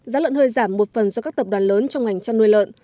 giá lợn hơi giảm một phần do các tập đoàn lớn trong ngành chăn nuôi lợn